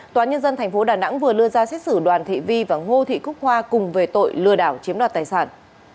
toán nhân dân tp đà nẵng vừa lưa ra xét xử đoàn thị vi và ngô thị khúc hoa cùng về tội lừa đảo chiếm đoạt tài sản